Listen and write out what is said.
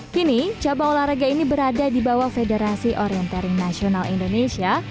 kini cabang olahraga ini berada di bawah federasi orientering nasional indonesia